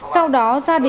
sau đó ra điện thoại